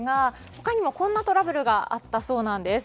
他にも、こんなトラブルがあったそうなんです。